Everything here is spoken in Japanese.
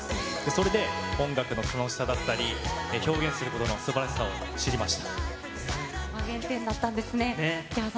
それで音楽の楽しさだったり、表現することのすばらしさを知りそこが原点だったんですね。